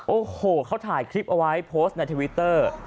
โอ้โหเขาถ่ายคลิปเอาไว้โพสต์ในทวิตเตอร์